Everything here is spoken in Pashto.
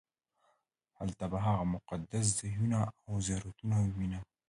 هلته به هغه مقدس ځایونه او زیارتونه ووېنم.